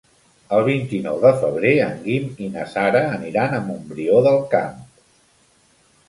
El vint-i-nou de febrer en Guim i na Sara aniran a Montbrió del Camp.